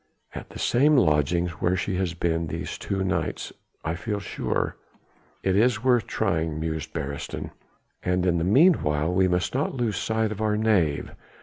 "At the same lodgings where she has been these two nights, I feel sure." "It is worth trying," mused Beresteyn. "And in the meanwhile we must not lose sight of our knave.